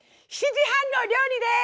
７時半の料理です！